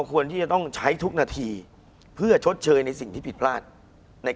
คุณผู้ชมบางท่าอาจจะไม่เข้าใจที่พิเตียร์สาร